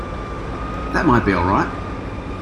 That might be all right.